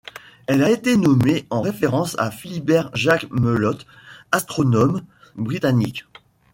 Elle a été nommée en référence à Philibert Jacques Melotte, astronome britannique.